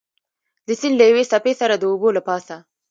د سیند له یوې څپې سره د اوبو له پاسه.